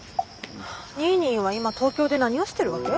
ニーニーは今東京で何をしてるわけ？